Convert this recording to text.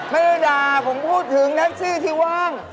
ไม่ได้ด่าผมพูดถึงแท็กซี่ที่ว่าง